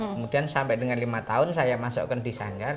kemudian sampai dengan lima tahun saya masukkan di sanggar